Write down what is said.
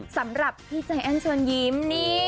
สำหรับพี่ใจแอ้นเชิญยิ้มนี่